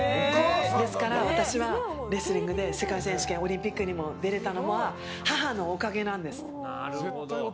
ですから、私はレスリングでオリンピックにも世界選手権にも出れたのは母のおかげなんです。